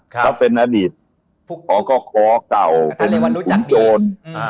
เขาเป็นอดีตพวกเขาก็คอเก่าพวกจน